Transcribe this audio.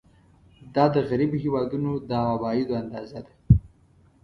دا د غریبو هېوادونو د عوایدو اندازه ده.